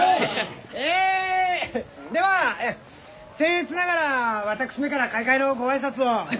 えではええせん越ながら私めから開会のご挨拶を。